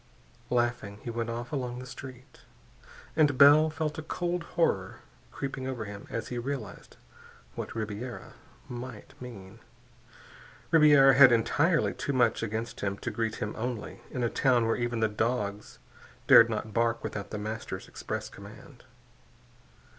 Laughing, he went off along the street. And Bell felt a cold horror creeping over him as he realized what Ribiera might mean. Ribiera had entirely too much against him to greet him only, in a town where even the dogs dared not bark without The Master's express command.